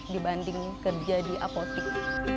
dibanding kerja di apotek